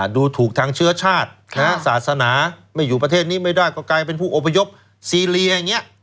ดูถูกทางเชื้อชาติศาสนาไม่อยู่ประเทศนี้ไม่ได้ก็กลายเป็นผู้อพยพซีเรียอย่างนี้